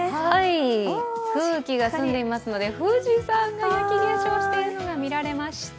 空気が澄んでいますので、富士山が雪化粧しているのが見られました。